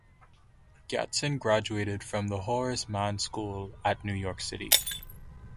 Gaston graduated from the Horace Mann School at New York City.